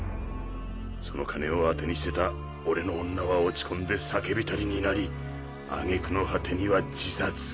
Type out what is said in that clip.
その金をあてにしてた俺の女は落ち込んで酒浸りになり挙句の果てには自殺。